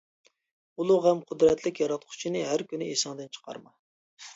ئۇلۇغ ھەم قۇدرەتلىك ياراتقۇچىنى ھەر كۈنى ئىسىڭدىن چىقارما.